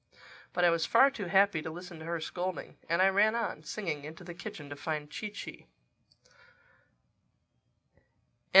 But I was far too happy to listen to her scolding; and I ran on, singing, into the kitchen to find Chee Chee.